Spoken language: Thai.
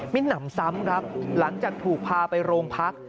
หนำซ้ำครับหลังจากถูกพาไปโรงพัก